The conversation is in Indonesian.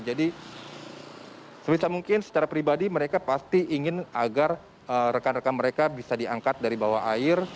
jadi semisal mungkin secara pribadi mereka pasti ingin agar rekan rekan mereka bisa diangkat dari bawah air